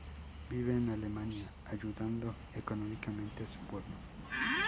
Vive en Alemania ayudando económicamente a su pueblo.